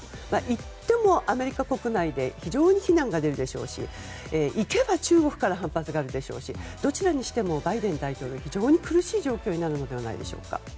行ってもアメリカ国内で非常に非難が出るでしょうし行けば中国から反発があるでしょうしどちらにしてもバイデン大統領は非常に苦しい状況になるのではないでしょうか。